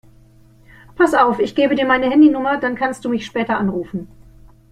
Pass auf, ich gebe dir meine Handynummer, dann kannst du mich später anrufen.